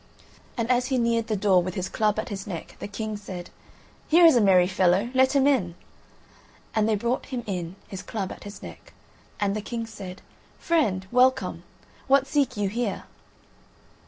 And as he neared the door with his club at his neck, the King said: "Here is a merry fellow, let him in." And they brought him in, his club at his neck. And the King said: "Friend, well come; what seek you here?"